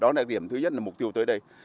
đó là điểm thứ nhất là mục tiêu tới đây